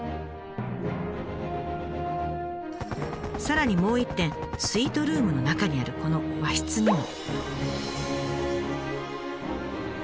さらにもう一点スイートルームの中にあるこの和室にも。